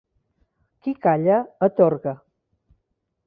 Qui calla atorga.